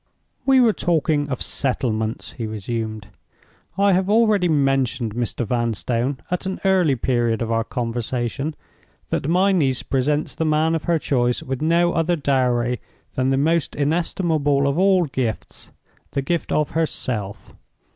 "We were talking of settlements," he resumed. "I have already mentioned, Mr. Vanstone, at an early period of our conversation, that my niece presents the man of her choice with no other dowry than the most inestimable of all gifts—the gift of herself.